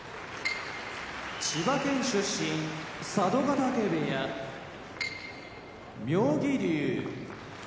千葉県出身佐渡ヶ嶽部屋妙義龍